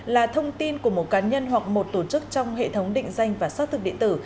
là thông tin của một cá nhân hoặc một tổ chức trong hệ thống định danh và xác thực điện tử